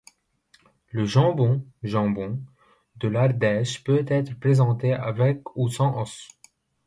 Le jambon Jambon de l'Ardèche peut être présenté avec ou sans os.